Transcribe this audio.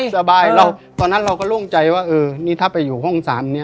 ก็พี่นัทอาสาว่าเดี๋ยวไปซื้อมาม่าไปซื้อไส้กรอกมาจากเซเว่นแกมีแก๊สพิคนิคตั้งอยู่ตรงหลังบ้านนะครับ